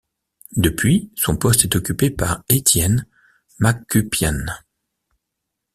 Depuis, son poste est occupé par Etyen Mahçupyan.